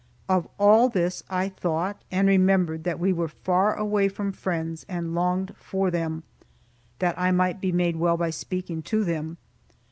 Of all this I thought, and remembered that we were far away from friends, and longed for them, that I might be made well by speaking to them.